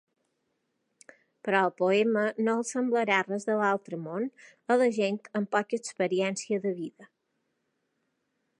Però el poema no els semblarà res de l'altre món, a la gent amb poca experiència de vida.